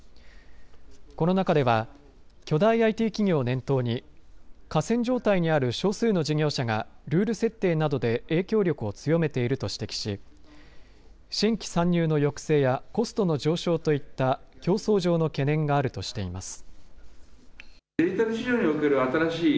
この中では巨大ＩＴ企業を念頭に寡占状態にある少数の事業者がルール設定などで影響力を強めていると指摘し新規参入の抑制やコストの上昇といった競争上の懸念があるとしています。